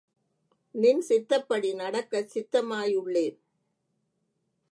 நின் சித்தப்படி நடக்கச் சித்தமாயுள்ளேன்!